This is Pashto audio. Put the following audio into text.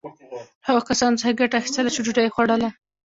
له هغو کسانو څخه یې ګټه اخیستله چې ډوډی یې خوړله.